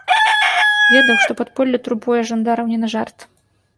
Ведаў, што падполле турбуе жандараў не на жарт.